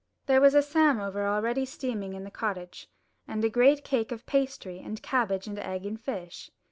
There was a samovar already steaming in the cottage, and a great cake of pastry, and cabbage, and egg, and fish.